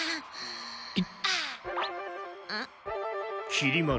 きり丸。